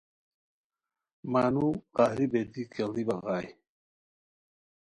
مانو قہری بیتی کیڑی بغائے